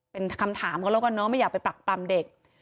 เป็นคำถามเขาแล้วกันเนอะไม่อยากไปปรักปรำเด็ก